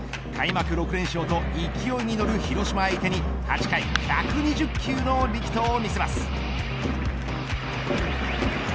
開幕６連勝と勢いに乗る広島相手に８回１２０球の力投を見せます。